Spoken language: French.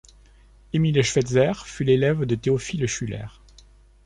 Émile Schweitzer fut l'élève de Théophile Schuler.